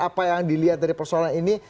apa yang dilihat dari persoalan ini